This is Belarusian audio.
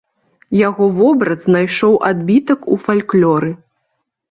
Яго вобраз знайшоў адбітак у фальклоры.